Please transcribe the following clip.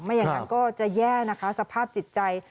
ไม่อย่างนั้นก็จะแย่สภาพจิตใจ